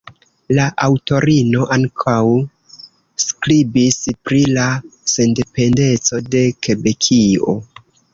La aŭtorino ankaŭ skribis pri la sendependeco de Kebekio.